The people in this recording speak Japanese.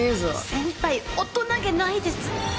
先輩、大人げないです。